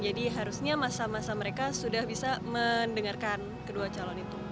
jadi harusnya masa masa mereka sudah bisa mendengarkan kedua calon itu